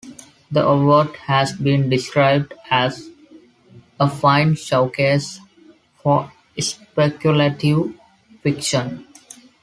The award has been described as "a fine showcase for speculative fiction".